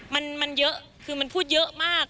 มันเยอะคือมันพูดเยอะมาก